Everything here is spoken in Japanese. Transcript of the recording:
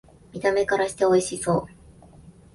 見た目からしておいしそう